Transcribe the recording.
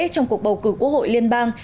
trong cuộc bầu cử quốc hội liên bang